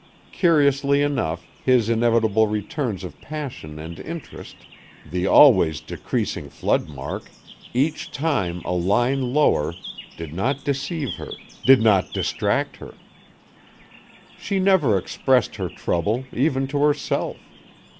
Curiously enough, his inevitable returns of passion and interest, the always decreasing flood mark, each time a line lower, did not deceive her, did not distract her. She never expressed her trouble, even to herself.